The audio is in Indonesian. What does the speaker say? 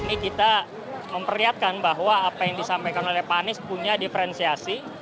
ini kita memperlihatkan bahwa apa yang disampaikan oleh pak anies punya diferensiasi